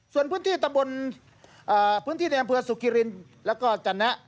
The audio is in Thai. ส่วนพื้นที่ตะบนพื้นที่ในอำเภอสุขิรินแล้วก็จันนะ